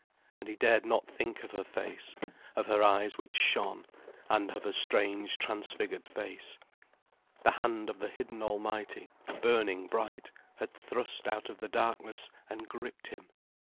And he dared not think of her face, of her eyes which shone, and of her strange, transfigured face. The hand of the Hidden Almighty, burning bright, had thrust out of the darkness and gripped him.